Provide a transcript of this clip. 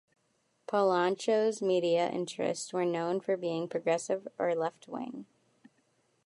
Polanco's media interests were known for being progressive or left-wing.